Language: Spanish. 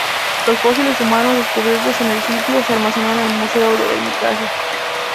Los fósiles humanos descubiertos en el sitio se almacenaron en el Museo del Hermitage.